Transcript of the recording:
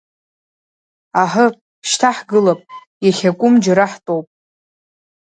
Аҳы, шьҭа ҳгылап, иахьакәым џьара ҳтәоуп.